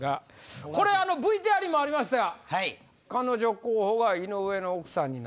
これＶＴＲにもありましたが。